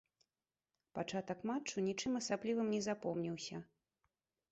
Пачатак матчу нічым асаблівым не запомніўся.